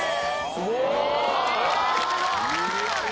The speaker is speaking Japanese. すごーい！